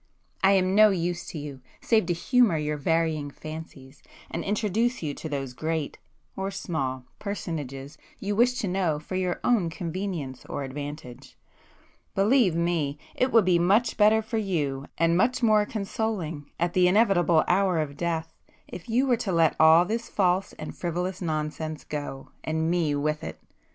I am no use to you, save to humour your varying fancies, and introduce you to those great,—or small,—personages you wish to know for your own convenience or advantage,—believe me, it would be much better for you and much more consoling at the inevitable hour of death, if you were to let all this false and frivolous nonsense go, and me with it!